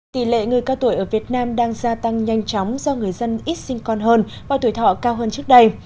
tỷ lệ người cao tuổi ở việt nam đang gia tăng nhanh chóng do người dân ít sinh con hơn và tuổi thọ cao hơn trước đây